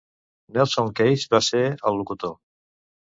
Nelson Case va ser el locutor.